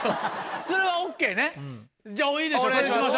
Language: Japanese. それはＯＫね？